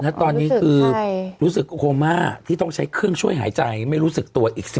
ตอนนี้คือรู้สึกโคม่าที่ต้องใช้เครื่องช่วยหายใจไม่รู้สึกตัวอีก๑๐